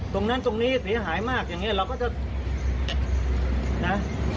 ตรงนั้นตรงนี้เสียหายมากอย่างนี้เราก็จะนะ